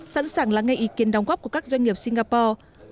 sẵn sàng lắng nghe ý kiến đóng góp của các doanh nghiệp singapore